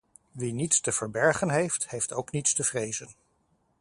Wie niets te verbergen heeft, heeft ook niets te vrezen.